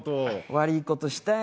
悪いことしたよ。